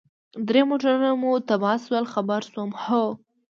درې موټرونه مو تباه شول، خبر شوم، هو.